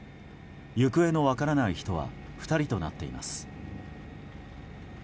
行方の分からない人は２人となっています。